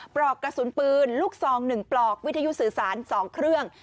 ปลอกกระสุนปืนลูกซอง๑ปลอกวิทยุสื่อสาร๒เครื่อง